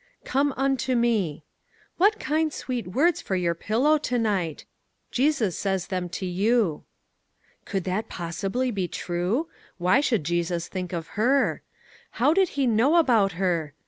"* Come unto me.' What kind, sweet words for your pillow to night! Jesus says them to you." Could that possibly be true ? Why should Jesus think of her? How did he know about her